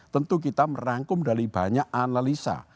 tentu kita merangkum dari banyak analisa